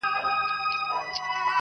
پرېږده چي دي مخي ته بلېږم ته به نه ژاړې-